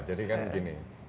jadi kan begini